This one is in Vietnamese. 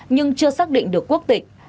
nhưng chưa xác định được quốc tịch